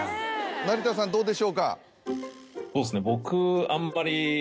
成田さんどうでしょうか？